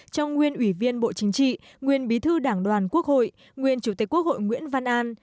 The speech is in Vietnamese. cho nguyên ủy viên bộ chính trị nguyên bí thư đảng đoàn quốc hội nguyên chủ tịch quốc hội nguyễn văn an